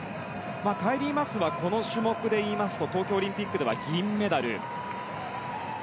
カイリー・マスはこの種目で言いますと東京オリンピックでは銀メダル。